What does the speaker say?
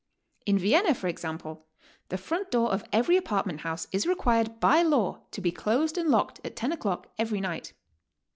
In Vienna, for example, the front door of every apartment house is required by law to be closed and locked at lo o'clock every night.